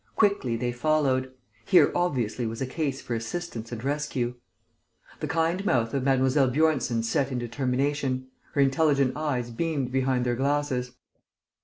Quickly they followed; here, obviously, was a case for assistance and rescue. The kind mouth of Mlle. Bjornsen set in determination; her intelligent eyes beamed behind their glasses.